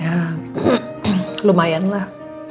ya lumayan lah